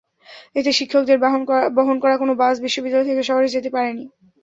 এতে শিক্ষকদের বহন করা কোনো বাস বিশ্ববিদ্যালয় থেকে শহরে যেতে পারেনি।